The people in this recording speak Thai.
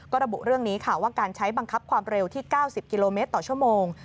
ก็ระบุเรื่องนี้ค่ะว่าการใช้บังคับความเร็วที่๙๐กิโลเมตรต่อชั่วโมง